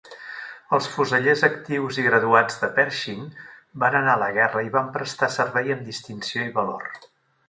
Els fusellers actius i graduats de Pershing van anar a la guerra i van prestar servei amb distinció i valor.